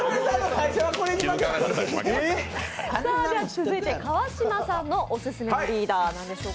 続いて川島さんのオススメのリーダーは誰でしょうか？